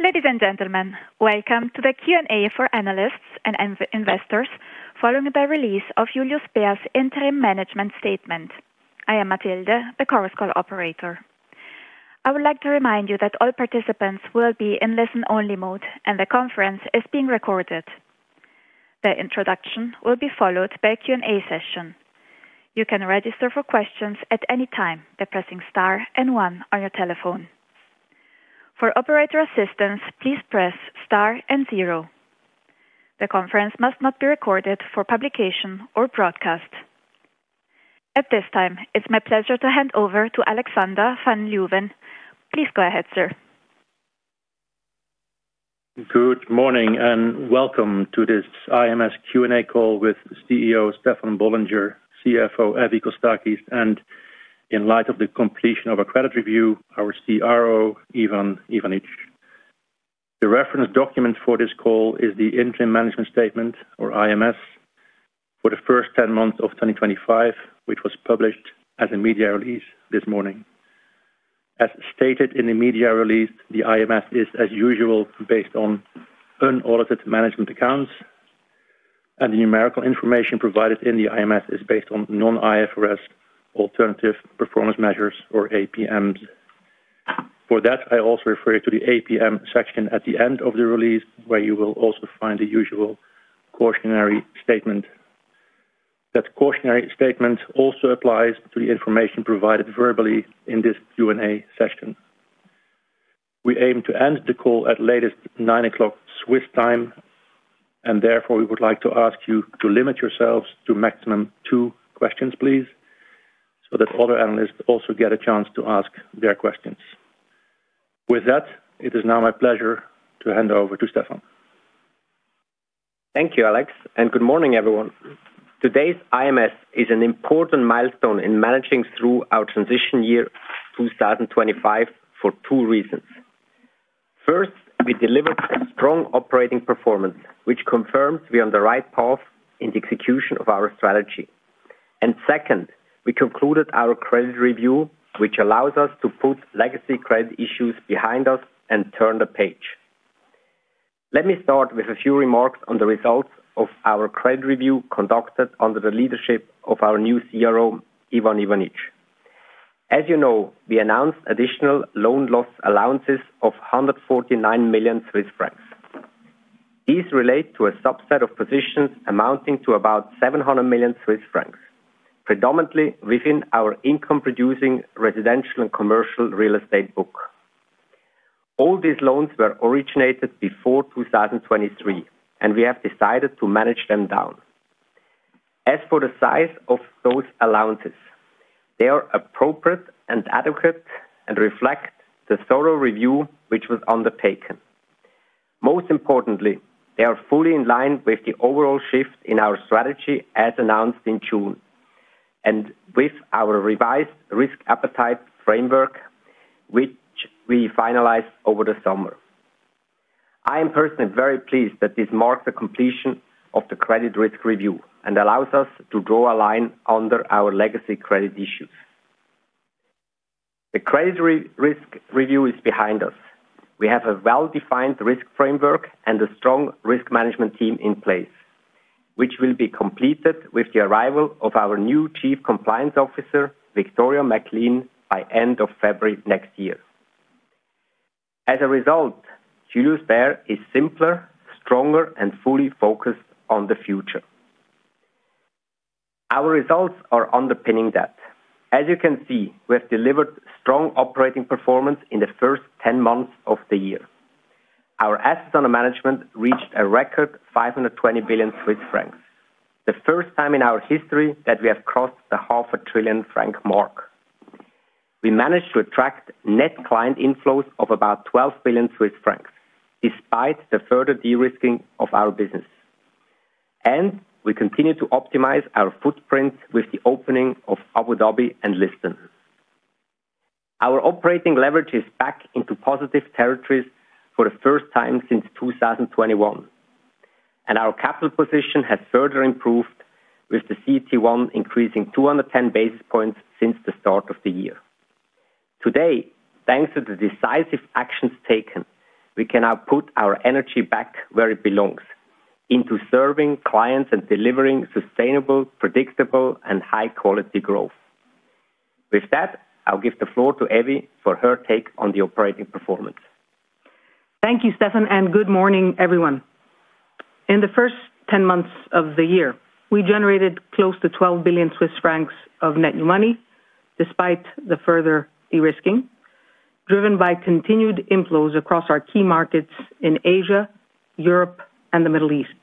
Ladies and gentlemen, welcome to the Q&A for analysts and investors following the release of Julius Baer interim management statement. I am Mathilde, the conference call operator. I would like to remind you that all participants will be in listen-only mode, and the conference is being recorded. The introduction will be followed by a Q&A session. You can register for questions at any time by pressing star and one on your telephone. For operator assistance, please press star and zero. The conference must not be recorded for publication or broadcast. At this time, it's my pleasure to hand over to Alexander van Leeuwen. Please go ahead, sir. Good morning and welcome to this IMS Q&A call with CEO Stefan Bollinger, CFO Evie Kostakis, and in light of the completion of a credit review, our CRO, Ivan Ivanic. The reference document for this call is the interim management statement, or IMS, for the first 10 months of 2025, which was published as a media release this morning. As stated in the media release, the IMS is, as usual, based on unaudited management accounts, and the numerical information provided in the IMS is based on non-IFRS alternative performance measures, or APMs. For that, I also refer you to the APM section at the end of the release, where you will also find the usual cautionary statement. That cautionary statement also applies to the information provided verbally in this Q&A session. We aim to end the call at the latest 9:00 A.M. Swiss time, and therefore we would like to ask you to limit yourselves to maximum two questions, please, so that other analysts also get a chance to ask their questions. With that, it is now my pleasure to hand over to Stefan. Thank you, Alex, and good morning, everyone. Today's IMS is an important milestone in managing through our transition year 2025 for two reasons. First, we delivered strong operating performance, which confirms we are on the right path in the execution of our strategy. Second, we concluded our credit review, which allows us to put legacy credit issues behind us and turn the page. Let me start with a few remarks on the results of our credit review conducted under the leadership of our new CRO, Ivan Ivanic. As you know, we announced additional loan loss allowances of 149 million Swiss francs. These relate to a subset of positions amounting to about 700 million Swiss francs, predominantly within our income-producing residential and commercial real estate book. All these loans were originated before 2023, and we have decided to manage them down. As for the size of those allowances, they are appropriate and adequate and reflect the thorough review which was undertaken. Most importantly, they are fully in line with the overall shift in our strategy as announced in June and with our revised risk appetite framework, which we finalized over the summer. I am personally very pleased that this marks the completion of the credit risk review and allows us to draw a line under our legacy credit issues. The credit risk review is behind us. We have a well-defined risk framework and a strong risk management team in place, which will be completed with the arrival of our new Chief Compliance Officer, Victoria McLean, by the end of February next year. As a result, Julius Baer is simpler, stronger, and fully focused on the future. Our results are underpinning that. As you can see, we have delivered strong operating performance in the first 10 months of the year. Our assets under management reached a record 520 billion Swiss francs, the first time in our history that we have crossed the half-a-trillion-franc mark. We managed to attract net client inflows of about 12 billion Swiss francs, despite the further de-risking of our business. We continue to optimize our footprint with the opening of Abu Dhabi and Lisbon. Our operating leverage is back into positive territories for the first time since 2021, and our capital position has further improved, with the CET1 increasing 210 basis points since the start of the year. Today, thanks to the decisive actions taken, we can now put our energy back where it belongs, into serving clients and delivering sustainable, predictable, and high-quality growth. With that, I'll give the floor to Evie for her take on the operating performance. Thank you, Stefan, and good morning, everyone. In the first 10 months of the year, we generated close to 12 billion Swiss francs of net new money, despite the further de-risking, driven by continued inflows across our key markets in Asia, Europe, and the Middle East.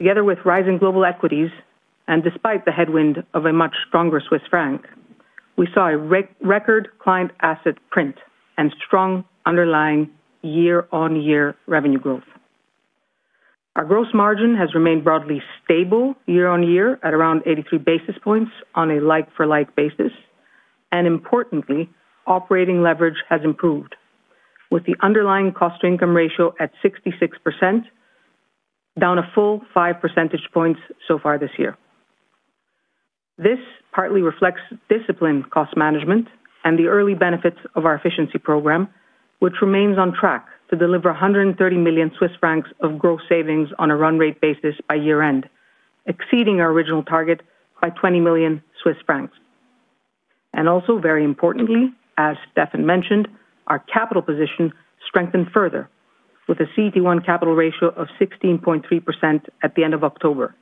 Together with rising global equities, and despite the headwind of a much stronger Swiss franc, we saw a record client asset print and strong underlying year-on-year revenue growth. Our gross margin has remained broadly stable year-on-year at around 83 basis points on a like-for-like basis, and importantly, operating leverage has improved, with the underlying cost-to-income ratio at 66%, down a full five percentage points so far this year. This partly reflects disciplined cost management and the early benefits of our efficiency program, which remains on track to deliver 130 million Swiss francs of gross savings on a run rate basis by year-end, exceeding our original target by 20 million Swiss francs. Very importantly, as Stefan mentioned, our capital position strengthened further, with a CET1 capital ratio of 16.3% at the end of October,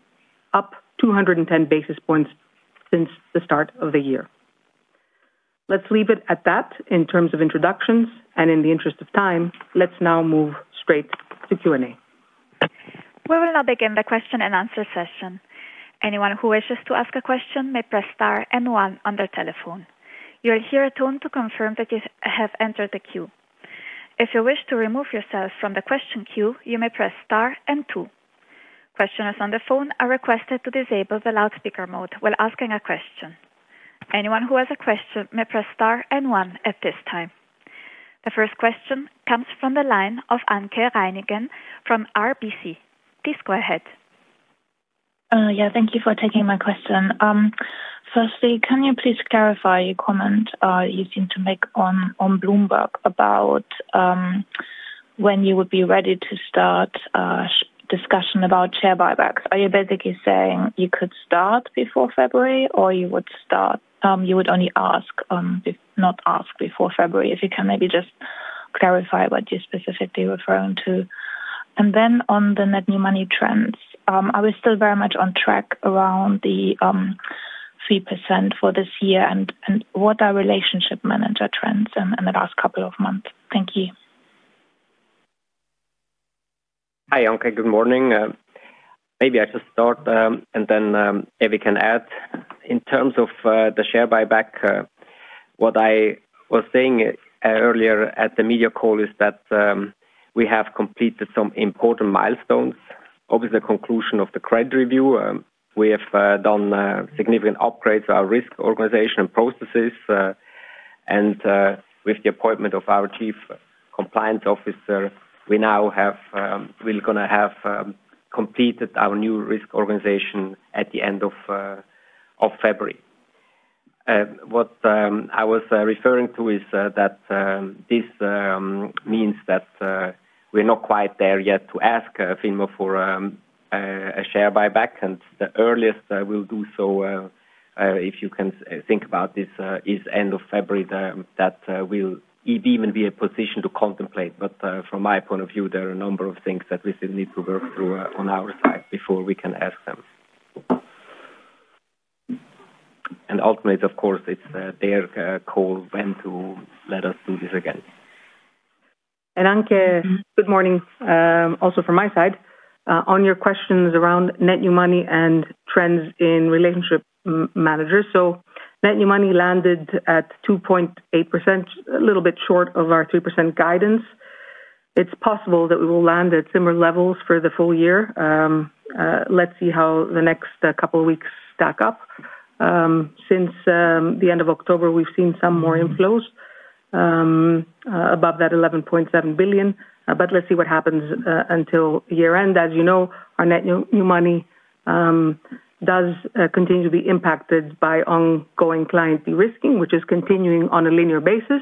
up 210 basis points since the start of the year. Let's leave it at that in terms of introductions, and in the interest of time, let's now move straight to Q&A. We will now begin the question-and-answer session. Anyone who wishes to ask a question may press star and one on their telephone. You will hear a tone to confirm that you have entered the queue. If you wish to remove yourself from the question queue, you may press star and two. Questioners on the phone are requested to disable the loudspeaker mode while asking a question. Anyone who has a question may press star and one at this time. The first question comes from the line of Anke Reingen from RBC. Please go ahead. Yeah, thank you for taking my question. Firstly, can you please clarify your comment you seem to make on Bloomberg about when you would be ready to start discussion about share buybacks? Are you basically saying you could start before February, or you would only ask, not ask before February? If you can maybe just clarify what you're specifically referring to. On the net new money trends, are we still very much on track around the 3% for this year, and what are relationship manager trends in the last couple of months? Thank you. Hi, Anke. Good morning. Maybe I should start, and then Evie can add. In terms of the share buyback, what I was saying earlier at the media call is that we have completed some important milestones. Obviously, the conclusion of the credit review, we have done significant upgrades to our risk organization and processes, and with the appointment of our Chief Compliance Officer, we are going to have completed our new risk organization at the end of February. What I was referring to is that this means that we are not quite there yet to ask FINMA for a share buyback, and the earliest we will do so, if you can think about this, is end of February, that will even be a position to contemplate. From my point of view, there are a number of things that we still need to work through on our side before we can ask them. Ultimately, of course, it's their call when to let us do this again. Anke, good morning. Also from my side, on your questions around net new money and trends in relationship managers. Net new money landed at 2.8%, a little bit short of our 3% guidance. It is possible that we will land at similar levels for the full year. Let's see how the next couple of weeks stack up. Since the end of October, we have seen some more inflows above that 11.7 billion, but let's see what happens until year-end. As you know, our net new money does continue to be impacted by ongoing client de-risking, which is continuing on a linear basis,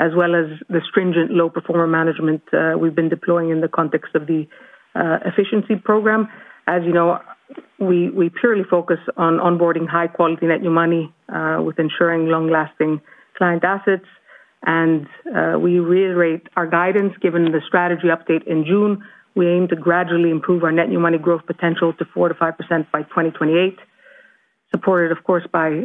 as well as the stringent low-performer management we have been deploying in the context of the efficiency program. As you know, we purely focus on onboarding high-quality net new money with ensuring long-lasting client assets. We reiterate our guidance. Given the strategy update in June, we aim to gradually improve our net new money growth potential to 4%-5% by 2028, supported, of course, by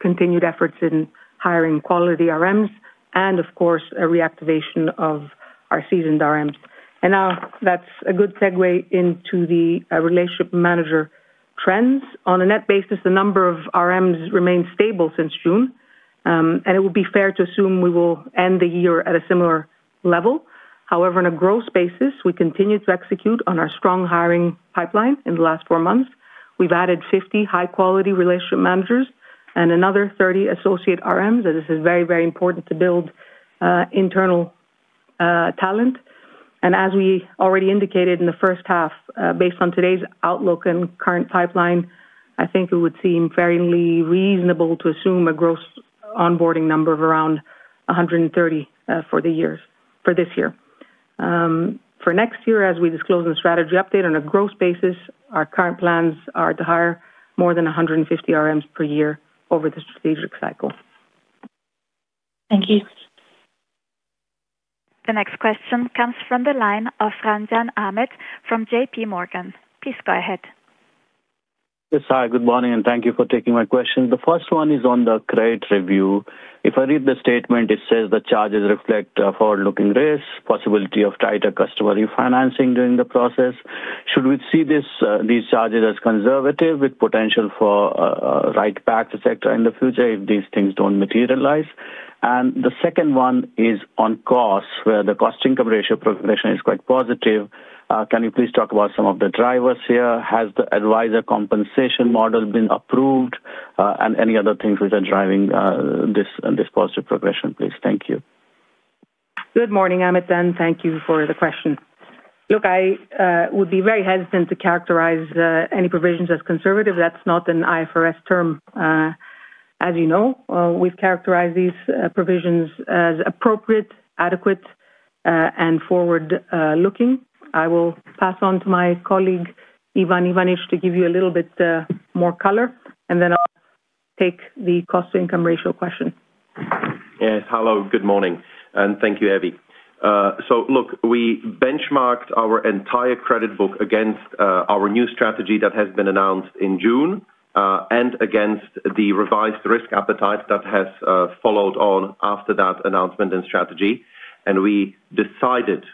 continued efforts in hiring quality RMs and, of course, a reactivation of our seasoned RMs. That is a good segue into the relationship manager trends. On a net basis, the number of RMs remains stable since June, and it would be fair to assume we will end the year at a similar level. However, on a growth basis, we continue to execute on our strong hiring pipeline in the last four months. We have added 50 high-quality relationship managers and another 30 associate RMs, as this is very, very important to build internal talent. As we already indicated in the first half, based on today's outlook and current pipeline, I think it would seem fairly reasonable to assume a gross onboarding number of around 130 for this year. For next year, as we disclose in the strategy update, on a growth basis, our current plans are to hire more than 150 RMs per year over the strategic cycle. Thank you. The next question comes from the line of Roshan Ahmad from J.P. Morgan. Please go ahead. Yes, hi, good morning, and thank you for taking my question. The first one is on the credit review. If I read the statement, it says the charges reflect a forward-looking risk, possibility of tighter customer refinancing during the process. Should we see these charges as conservative with potential for write-back, etc. in the future if these things do not materialize? The second one is on costs, where the cost-to-income ratio progression is quite positive. Can you please talk about some of the drivers here? Has the advisor compensation model been approved? Any other things which are driving this positive progression, please? Thank you. Good morning, Ahmad. Thank you for the question. Look, I would be very hesitant to characterize any provisions as conservative. That's not an IFRS term. As you know, we've characterized these provisions as appropriate, adequate, and forward-looking. I will pass on to my colleague, Ivan Ivanic, to give you a little bit more color, and then I'll take the cost-to-income ratio question. Yes, hello, good morning, and thank you, Evie. Look, we benchmarked our entire credit book against our new strategy that has been announced in June and against the revised risk appetite that has followed on after that announcement and strategy. We decided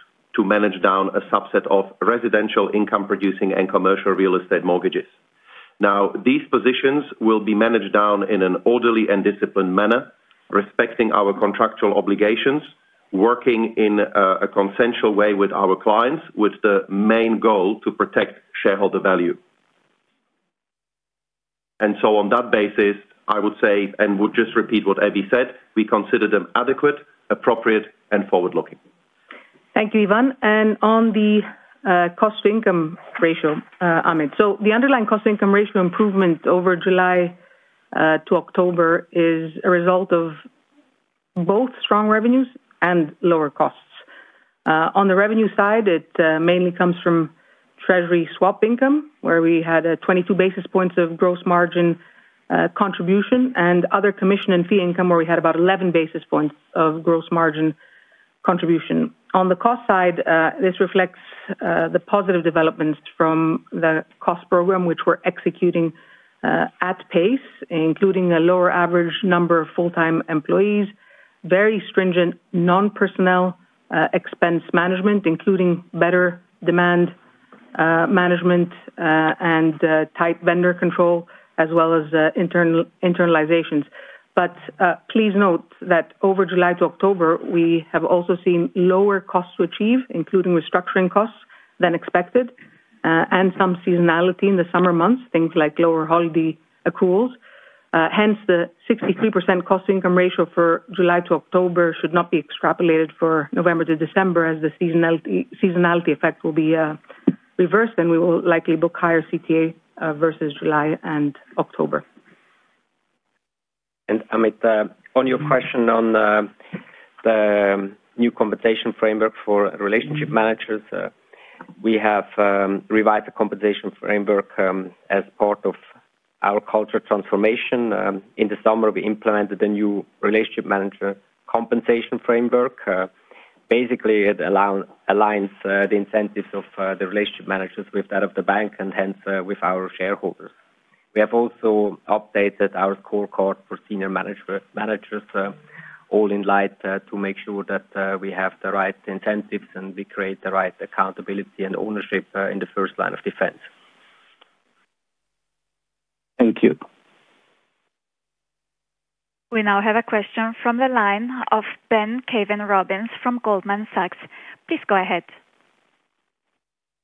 to manage down a subset of residential income-producing and commercial real estate mortgages. These positions will be managed down in an orderly and disciplined manner, respecting our contractual obligations, working in a consensual way with our clients, with the main goal to protect shareholder value. On that basis, I would say, and would just repeat what Evie said, we consider them adequate, appropriate, and forward-looking. Thank you, Ivan. On the cost-to-income ratio, Ahmad, the underlying cost-to-income ratio improvement over July to October is a result of both strong revenues and lower costs. On the revenue side, it mainly comes from treasury swap income, where we had 22 basis points of gross margin contribution, and other commission and fee income, where we had about 11 basis points of gross margin contribution. On the cost side, this reflects the positive developments from the cost program, which we are executing at pace, including a lower average number of full-time employees, very stringent non-personnel expense management, including better demand management and tight vendor control, as well as internalizations. Please note that over July to October, we have also seen lower costs to achieve, including restructuring costs than expected, and some seasonality in the summer months, things like lower holiday accruals. Hence, the 63% cost-to-income ratio for July to October should not be extrapolated for November to December, as the seasonality effect will be reversed, and we will likely book higher CTA versus July and October. Ahmed, on your question on the new compensation framework for relationship managers, we have revised the compensation framework as part of our culture transformation. In the summer, we implemented a new relationship manager compensation framework. Basically, it aligns the incentives of the relationship managers with that of the bank, and hence with our shareholders. We have also updated our scorecard for senior managers, all in light to make sure that we have the right incentives and we create the right accountability and ownership in the first line of defense. Thank you. We now have a question from the line of Ben Kaven Robbins from Goldman Sachs. Please go ahead.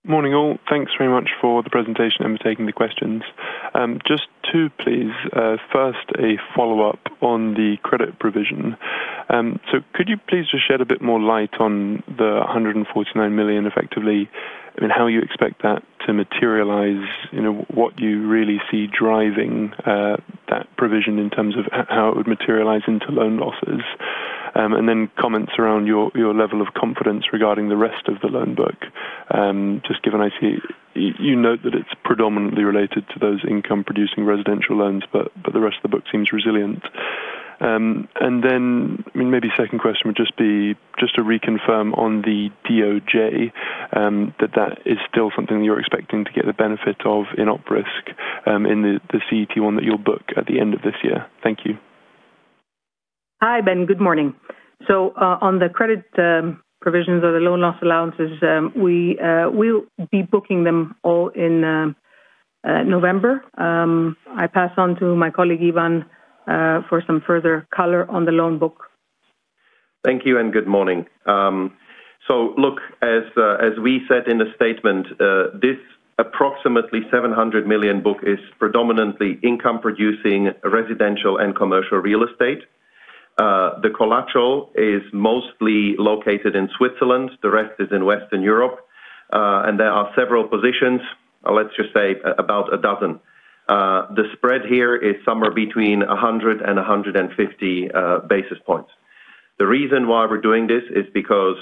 Morning all. Thanks very much for the presentation and for taking the questions. Just two, please. First, a follow-up on the credit provision. Could you please just shed a bit more light on the 149 million effectively, and how you expect that to materialize, what you really see driving that provision in terms of how it would materialize into loan losses, and then comments around your level of confidence regarding the rest of the loan book, just given I see you note that it's predominantly related to those income-producing residential loans, but the rest of the book seems resilient. Maybe second question would just be just to reconfirm on the DOJ, that that is still something that you're expecting to get the benefit of in OpRisk in the CET1 that you'll book at the end of this year. Thank you. Hi, Ben. Good morning. On the credit provisions or the loan loss allowances, we will be booking them all in November. I pass on to my colleague Ivan for some further color on the loan book. Thank you, and good morning. As we said in the statement, this approximately 700 million book is predominantly income-producing residential and commercial real estate. The collateral is mostly located in Switzerland. The rest is in Western Europe, and there are several positions, let's just say about a dozen. The spread here is somewhere between 100 and 150 basis points. The reason why we are doing this is because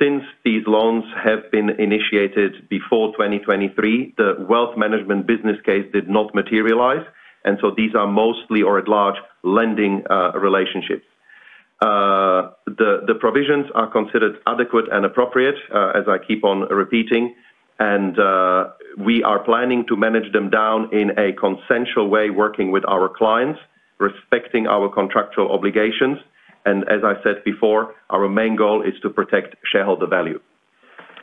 since these loans have been initiated before 2023, the wealth management business case did not materialize, and these are mostly or at large lending relationships. The provisions are considered adequate and appropriate, as I keep on repeating, and we are planning to manage them down in a consensual way, working with our clients, respecting our contractual obligations. As I said before, our main goal is to protect shareholder value.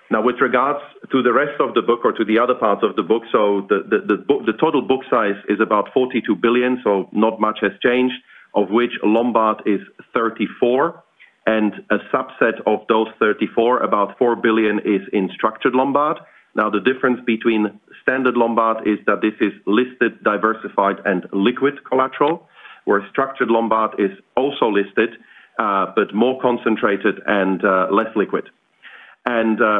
Now, with regards to the rest of the book or to the other parts of the book, the total book size is about 42 billion, so not much has changed, of which Lombard is 34 billion, and a subset of those 34 billion, about 4 billion, is in structured Lombard. The difference between standard Lombard is that this is listed, diversified, and liquid collateral, whereas structured Lombard is also listed, but more concentrated and less liquid.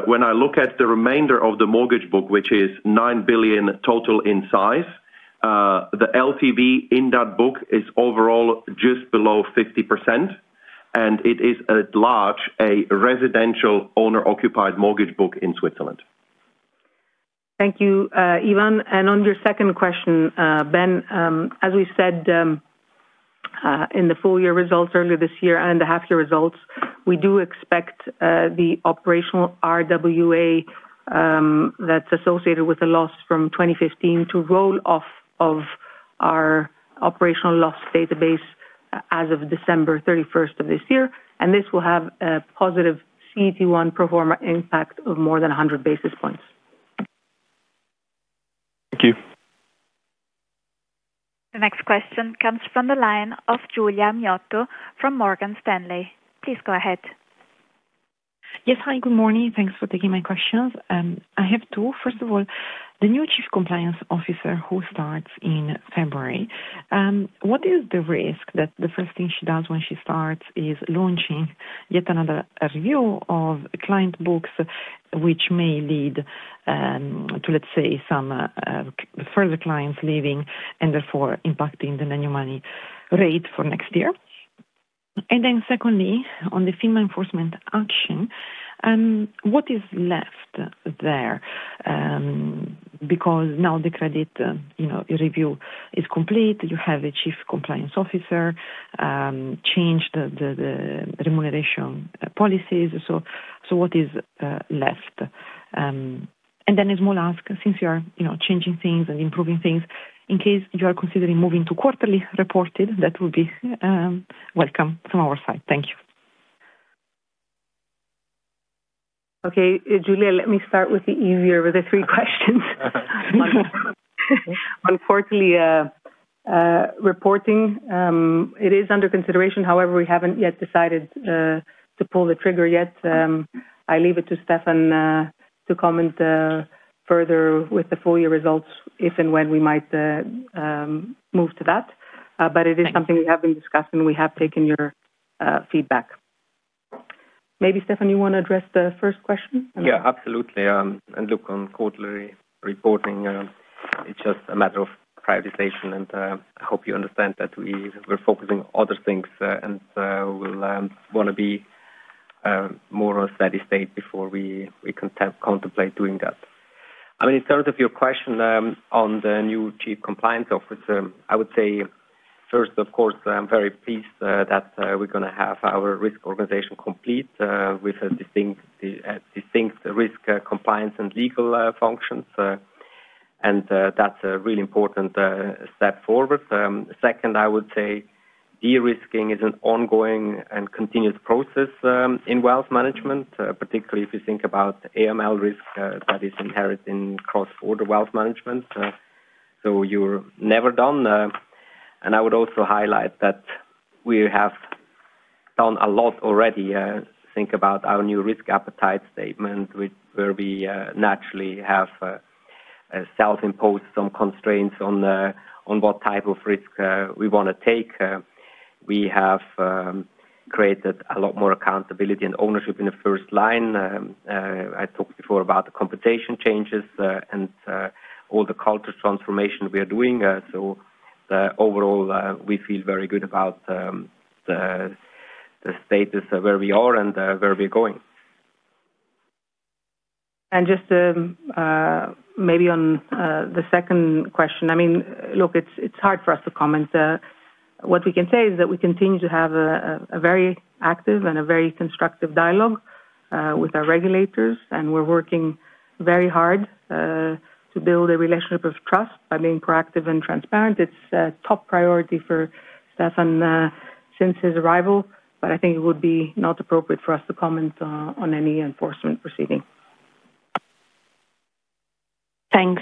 When I look at the remainder of the mortgage book, which is 9 billion total in size, the LTV in that book is overall just below 50%, and it is at large a residential owner-occupied mortgage book in Switzerland. Thank you, Ivan. On your second question, Ben, as we said in the full-year results earlier this year and the half-year results, we do expect the operational RWA that is associated with the loss from 2015 to roll off of our operational loss database as of December 31, 2024, and this will have a positive CET1 performer impact of more than 100 basis points. Thank you. The next question comes from the line of Giulia Miotto from Morgan Stanley. Please go ahead. Yes, hi, good morning. Thanks for taking my questions. I have two. First of all, the new Chief Compliance Officer who starts in February, what is the risk that the first thing she does when she starts is launching yet another review of client books, which may lead to, let's say, some further clients leaving and therefore impacting the net new money rate for next year? Secondly, on the FINMA enforcement action, what is left there? Because now the credit review is complete, you have a Chief Compliance Officer, changed the remuneration policies, what is left? A small ask, since you are changing things and improving things, in case you are considering moving to quarterly reported, that would be welcome from our side. Thank you. Okay, Julia, let me start with the easier with the three questions. On quarterly reporting, it is under consideration. However, we haven't yet decided to pull the trigger yet. I leave it to Stefan to comment further with the full-year results, if and when we might move to that. It is something we have been discussing, and we have taken your feedback. Maybe Stefan, you want to address the first question? Yeah, absolutely. Look, on quarterly reporting, it's just a matter of prioritization, and I hope you understand that we were focusing on other things and will want to be more of a steady state before we contemplate doing that. I mean, in terms of your question on the new Chief Compliance Officer, I would say first, of course, I'm very pleased that we're going to have our risk organization complete with a distinct risk, compliance, and legal functions, and that's a really important step forward. Second, I would say de-risking is an ongoing and continuous process in wealth management, particularly if you think about AML risk that is inherent in cross-border wealth management. You're never done. I would also highlight that we have done a lot already. Think about our new risk appetite statement, where we naturally have self-imposed some constraints on what type of risk we want to take. We have created a lot more accountability and ownership in the first line. I talked before about the compensation changes and all the culture transformation we are doing. Overall, we feel very good about the status of where we are and where we're going. Maybe on the second question, I mean, look, it's hard for us to comment. What we can say is that we continue to have a very active and a very constructive dialogue with our regulators, and we're working very hard to build a relationship of trust by being proactive and transparent. It's a top priority for Stefan since his arrival, but I think it would be not appropriate for us to comment on any enforcement proceeding. Thanks.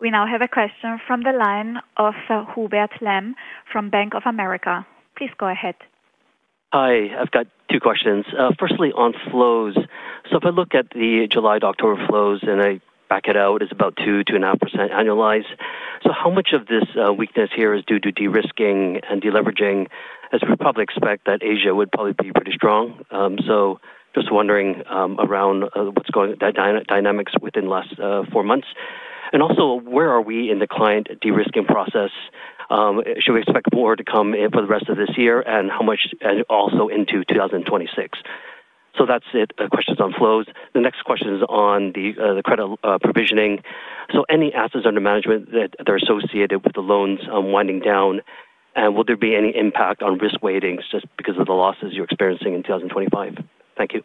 We now have a question from the line of Hubert Lam from Bank of America. Please go ahead. Hi, I've got two questions. Firstly, on flows. If I look at the July to October flows and I back it out, it's about 2%-2.5% annualized. How much of this weakness here is due to de-risking and deleveraging? As we probably expect, Asia would probably be pretty strong. I am just wondering around what's going on, dynamics within the last four months. Also, where are we in the client de-risking process? Should we expect more to come in for the rest of this year and also into 2026? That is it, questions on flows. The next question is on the credit provisioning. Any assets under management that are associated with the loans winding down, and will there be any impact on risk weightings just because of the losses you are experiencing in 2025? Thank you.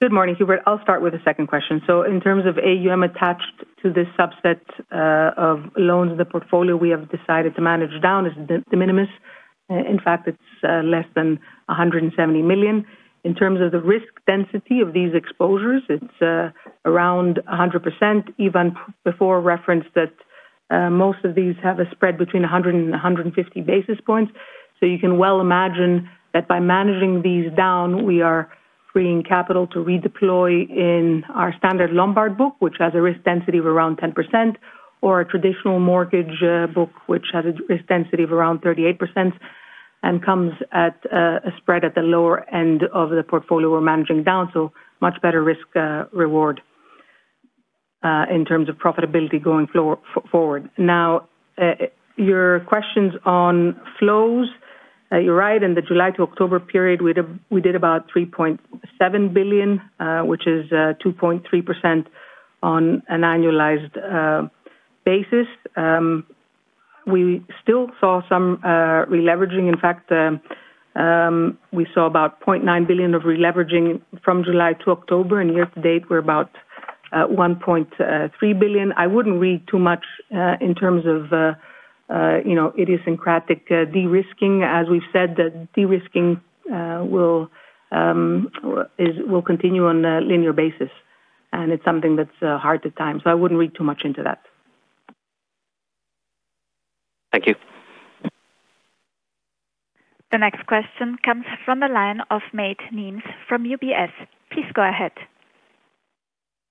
Good morning, Hubert. I'll start with the second question. In terms of, A, you are attached to this subset of loans in the portfolio we have decided to manage down as de minimis. In fact, it's less than 170 million. In terms of the risk density of these exposures, it's around 100%. Ivan before referenced that most of these have a spread between 100 and 150 basis points. You can well imagine that by managing these down, we are freeing capital to redeploy in our standard Lombard book, which has a risk density of around 10%, or a traditional mortgage book, which has a risk density of around 38% and comes at a spread at the lower end of the portfolio we're managing down. Much better risk-reward in terms of profitability going forward. Now, your questions on flows, you're right, in the July to October period, we did about 3.7 billion, which is 2.3% on an annualized basis. We still saw some releveraging. In fact, we saw about 0.9 billion of releveraging from July to October, and year to date, we're about 1.3 billion. I wouldn't read too much in terms of idiosyncratic de-risking. As we've said, de-risking will continue on a linear basis, and it's something that's hard at times. I wouldn't read too much into that. Thank you. The next question comes from the line of Mate Nemes from UBS. Please go ahead.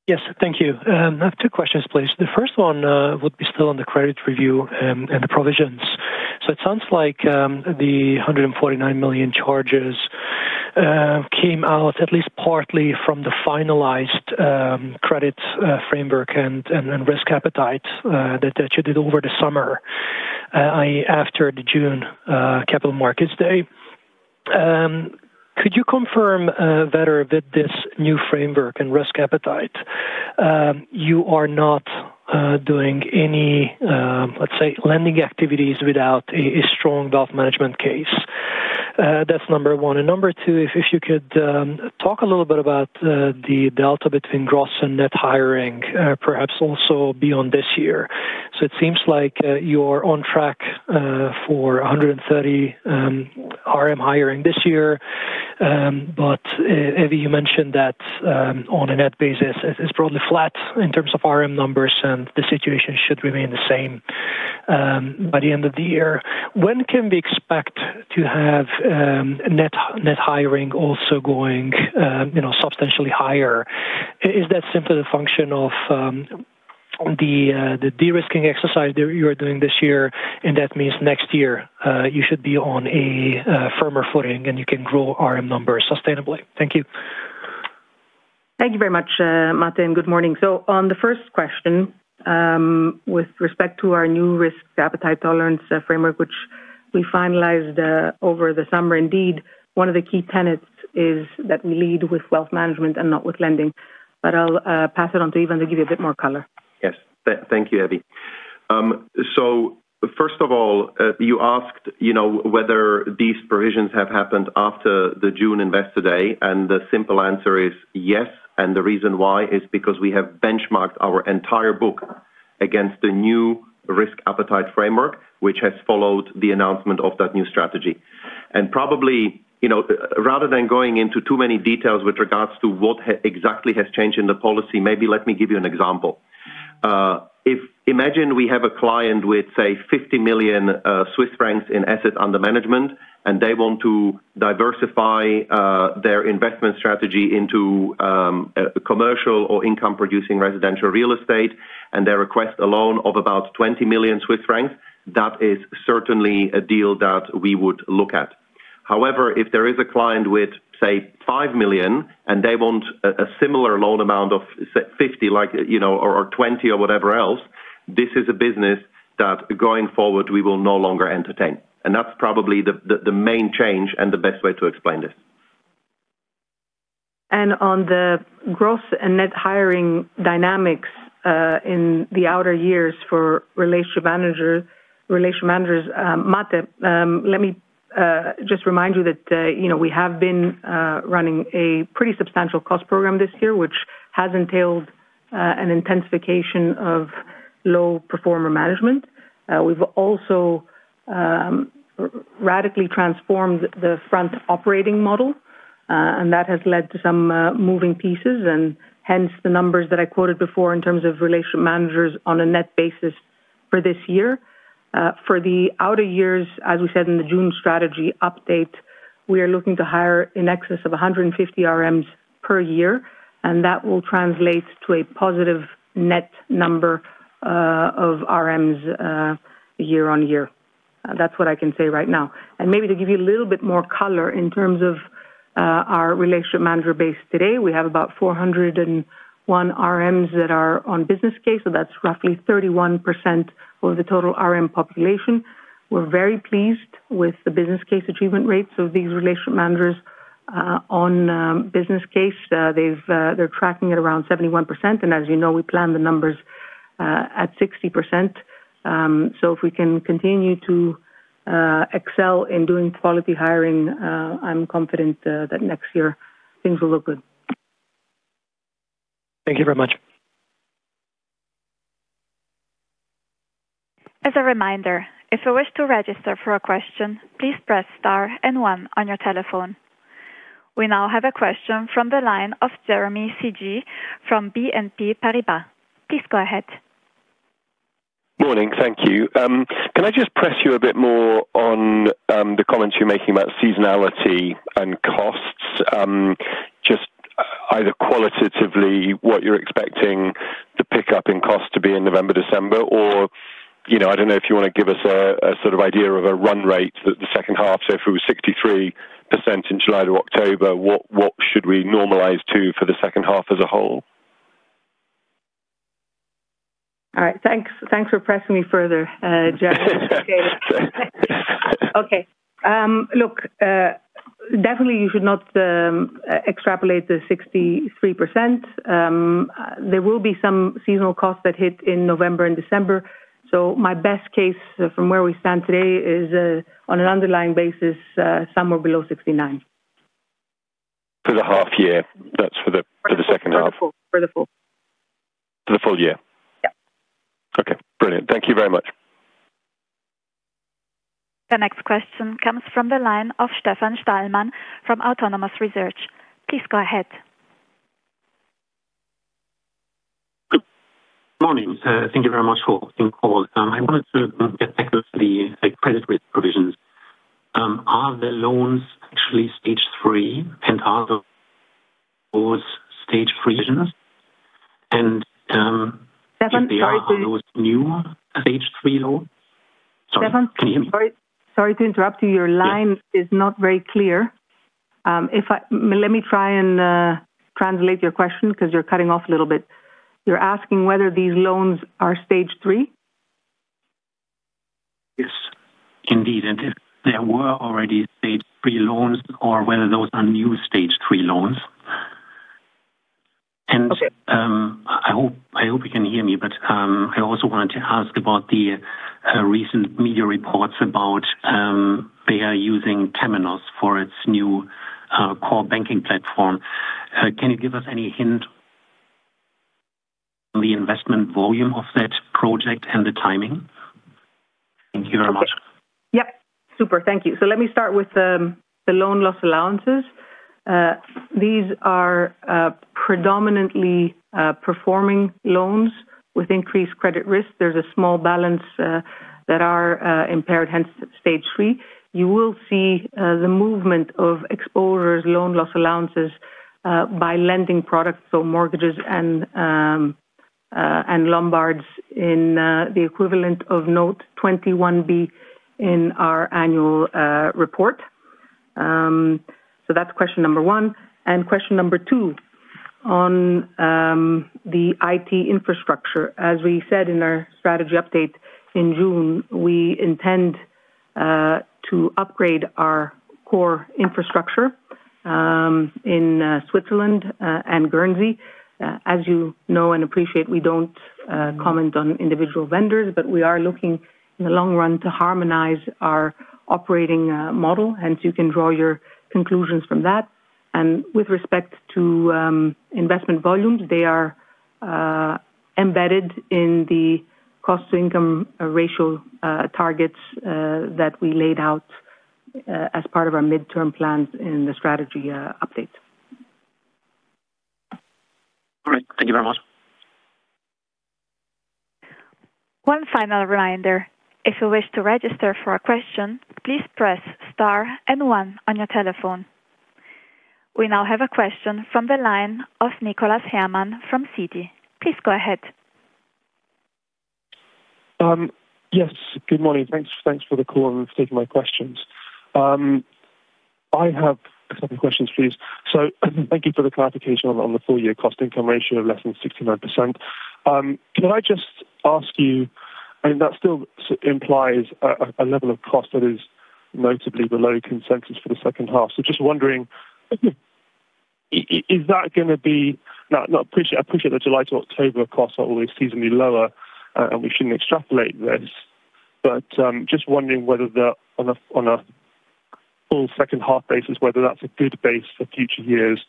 Yes, thank you. I have two questions, please. The first one would be still on the credit review and the provisions. It sounds like the 149 million charges came out at least partly from the finalized credit framework and risk appetite that you did over the summer, after the June Capital Markets Day. Could you confirm better that this new framework and risk appetite, you are not doing any, let's say, lending activities without a strong wealth management case? That's number one. Number two, if you could talk a little bit about the delta between gross and net hiring, perhaps also beyond this year. It seems like you are on track for 130 RM hiring this year, but Evie, you mentioned that on a net basis, it's probably flat in terms of RM numbers, and the situation should remain the same by the end of the year. When can we expect to have net hiring also going substantially higher? Is that simply a function of the de-risking exercise that you are doing this year, and that means next year you should be on a firmer footing and you can grow RM numbers sustainably? Thank you. Thank you very much, Mate. Good morning. On the first question, with respect to our new risk appetite tolerance framework, which we finalized over the summer, indeed, one of the key tenets is that we lead with wealth management and not with lending. I'll pass it on to Ivan to give you a bit more color. Yes, thank you, Evie. First of all, you asked whether these provisions have happened after the June Investor Day, and the simple answer is yes. The reason why is because we have benchmarked our entire book against the new risk appetite framework, which has followed the announcement of that new strategy. Probably, rather than going into too many details with regards to what exactly has changed in the policy, maybe let me give you an example. Imagine we have a client with, say, 50 million Swiss francs in assets under management, and they want to diversify their investment strategy into commercial or income-producing residential real estate, and they request a loan of about 20 million Swiss francs. That is certainly a deal that we would look at. However, if there is a client with, say, 5 million, and they want a similar loan amount of 50 or 20 or whatever else, this is a business that going forward we will no longer entertain. That is probably the main change and the best way to explain this. On the gross and net hiring dynamics in the outer years for relationship managers, Mate, let me just remind you that we have been running a pretty substantial cost program this year, which has entailed an intensification of low performer management. We have also radically transformed the front operating model, and that has led to some moving pieces, and hence the numbers that I quoted before in terms of relationship managers on a net basis for this year. For the outer years, as we said in the June strategy update, we are looking to hire in excess of 150 RMs per year, and that will translate to a positive net number of RMs year on year. That is what I can say right now. Maybe to give you a little bit more color in terms of our relationship manager base today, we have about 401 RMs that are on business case, so that's roughly 31% of the total RM population. We're very pleased with the business case achievement rates of these relationship managers on business case. They're tracking at around 71%, and as you know, we planned the numbers at 60%. If we can continue to excel in doing quality hiring, I'm confident that next year things will look good. Thank you very much. As a reminder, if you wish to register for a question, please press star and one on your telephone. We now have a question from the line of Jeremy Chang from BNP Paribas. Please go ahead. Morning, thank you. Can I just press you a bit more on the comments you're making about seasonality and costs? Just either qualitatively what you're expecting the pickup in cost to be in November, December, or I don't know if you want to give us a sort of idea of a run rate that the second half, so if it was 63% in July to October, what should we normalize to for the second half as a whole? All right, thanks. Thanks for pressing me further, Jeremy. Okay. Look, definitely you should not extrapolate the 63%. There will be some seasonal costs that hit in November and December. My best case from where we stand today is on an underlying basis somewhere below 69%. For the half year, that's for the second half? For the full. For the full year. Yeah. Okay, brilliant. Thank you very much. The next question comes from the line of Stefan Stalmann from Autonomous Research. Please go ahead. Good morning. Thank you very much for the call. I wanted to get back to the credit risk provisions. Are the loans actually stage three, IFRS 9 stage three provisions? And are those new stage three loans? Stefan, sorry to interrupt you. Your line is not very clear. Let me try and translate your question because you're cutting off a little bit. You're asking whether these loans are stage three? Yes, indeed. If there were already stage three loans or whether those are new stage three loans. I hope you can hear me, but I also wanted to ask about the recent media reports about Bär using Temenos for its new core banking platform. Can you give us any hint on the investment volume of that project and the timing? Thank you very much. Yep. Super. Thank you. Let me start with the loan loss allowances. These are predominantly performing loans with increased credit risk. There's a small balance that are impaired, hence stage three. You will see the movement of exposures, loan loss allowances by lending products, so mortgages and Lombards in the equivalent of note 21B in our annual report. That's question number one. Question number two on the IT infrastructure. As we said in our strategy update in June, we intend to upgrade our core infrastructure in Switzerland and Guernsey. As you know and appreciate, we don't comment on individual vendors, but we are looking in the long run to harmonize our operating model, hence you can draw your conclusions from that. With respect to investment volumes, they are embedded in the cost-to-income ratio targets that we laid out as part of our midterm plans in the strategy update. All right. Thank you very much. One final reminder. If you wish to register for a question, please press star and one on your telephone. We now have a question from the line of Nicholas Salomone from CD. Please go ahead. Yes, good morning. Thanks for the call and for taking my questions. I have a couple of questions, please. Thank you for the clarification on the four-year cost-to-income ratio of less than 69%. Can I just ask you, that still implies a level of cost that is notably below consensus for the second half? I appreciate the July to October costs are always seasonally lower, and we should not extrapolate this, but just wondering whether on a full second half basis, whether that is a good base for future years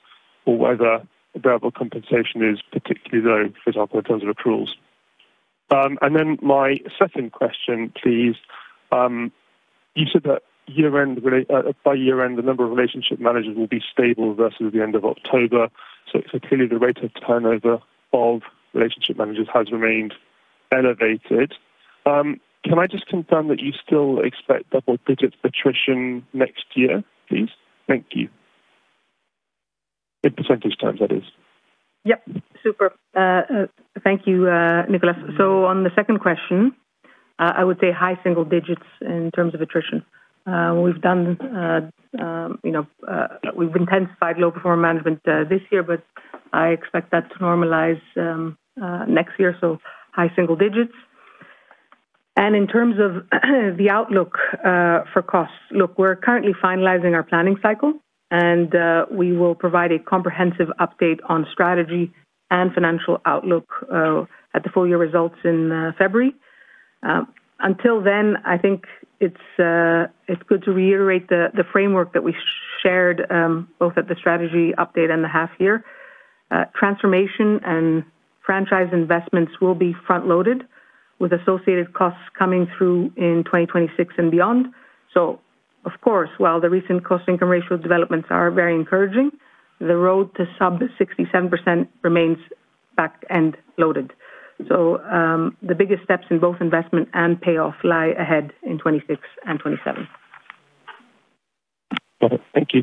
or whether variable compensation is particularly low, for example, in terms of accruals. My second question, please. You said that by year-end, the number of relationship managers will be stable versus the end of October. Clearly, the rate of turnover of relationship managers has remained elevated. Can I just confirm that you still expect double-digit attrition next year, please? Thank you. In percentage terms, that is. Yep. Super. Thank you, Nicholas. On the second question, I would say high single digits in terms of attrition. We have intensified low-performing management this year, but I expect that to normalize next year. High single digits. In terms of the outlook for costs, look, we are currently finalizing our planning cycle, and we will provide a comprehensive update on strategy and financial outlook at the full-year results in February. Until then, I think it is good to reiterate the framework that we shared both at the strategy update and the half-year. Transformation and franchise investments will be front-loaded with associated costs coming through in 2026 and beyond. Of course, while the recent cost-income ratio developments are very encouraging, the road to sub-67% remains back-end loaded. The biggest steps in both investment and payoff lie ahead in 2026 and 2027. Got it. Thank you.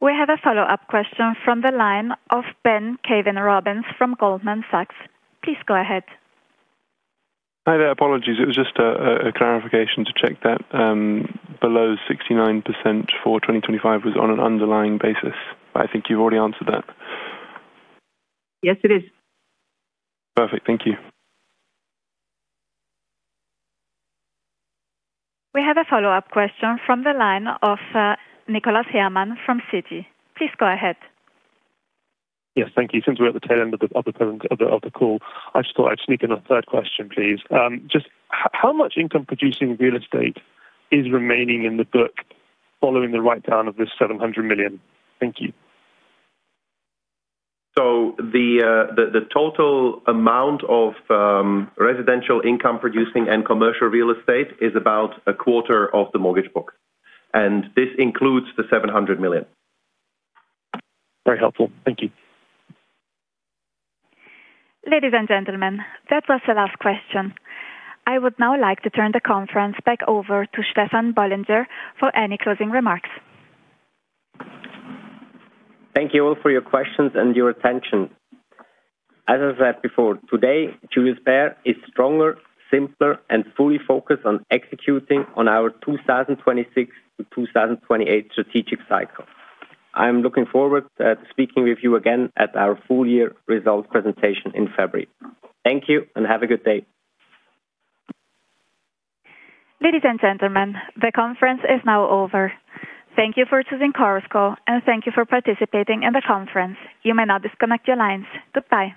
We have a follow-up question from the line of Ben Kaven Robbins from Goldman Sachs. Please go ahead. Hi, there. Apologies. It was just a clarification to check that below 69% for 2025 was on an underlying basis. I think you've already answered that. Yes, it is. Perfect. Thank you. We have a follow-up question from the line of Nicholas Salomone from CD. Please go ahead. Yes, thank you. Since we're at the tail end of the call, I just thought I'd sneak in a third question, please. Just how much income-producing real estate is remaining in the book following the write-down of this 700 million? Thank you. The total amount of residential income-producing and commercial real estate is about a quarter of the mortgage book. This includes the 700 million. Very helpful. Thank you. Ladies and gentlemen, that was the last question. I would now like to turn the conference back over to Stefan Bollinger for any closing remarks. Thank you all for your questions and your attention. As I said before, today, Julius Baer is stronger, simpler, and fully focused on executing on our 2026 to 2028 strategic cycle. I'm looking forward to speaking with you again at our full-year results presentation in February. Thank you and have a good day. Ladies and gentlemen, the conference is now over. Thank you for choosing conference call, and thank you for participating in the conference. You may now disconnect your lines. Goodbye.